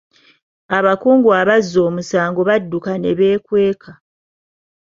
Abakungu abazza omusango badduka ne beekweka.